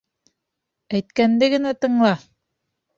Әйткәнде генә тыңла!